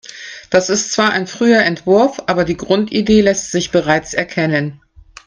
Das ist zwar ein früher Entwurf, aber die Grundidee lässt sich bereits erkennen.